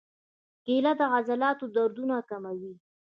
کېله د عضلاتو دردونه کموي.